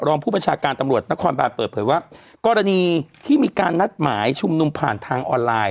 รองผู้บัญชาการตำรวจนครบานเปิดเผยว่ากรณีที่มีการนัดหมายชุมนุมผ่านทางออนไลน์